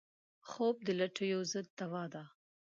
خوب د لټیو ضد دوا ده